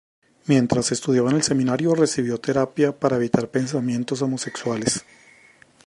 Mientras estudiaba en el seminario, recibió terapia para evitar pensamientos homosexuales.